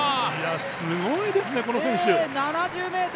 すごいですね、この選手。